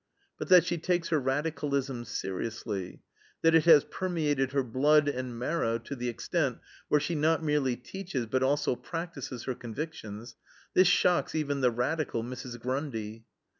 But that she takes her radicalism seriously; that it has permeated her blood and marrow to the extent where she not merely teaches but also practices her convictions this shocks even the radical Mrs. Grundy.